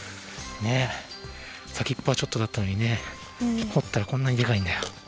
ねえ先っぽはちょっとだったのにねほったらこんなにでかいんだよ。